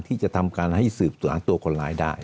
ที่จะทำการให้สืบสวนหาตัวคนร้ายได้